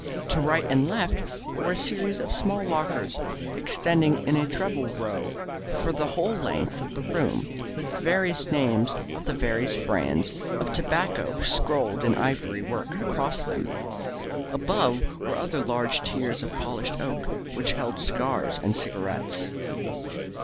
To right and left were a series of small lockers, extending in a treble row for the whole length of the room, with the names of the various brands of tobacco scrolled in ivory work across them. Above were other larger tiers of polished oak, which held cigars and cigarettes.